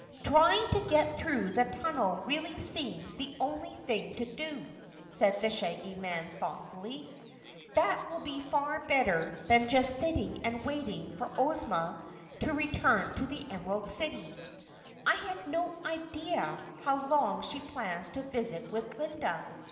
"Trying to get through the tunnel really seems the only thing to do," said the Shaggy Man thoughtfully. "That will be far better than just sitting and waiting for Ozma to return to the Emerald City I have no idea how long she plans to visit with Glinda.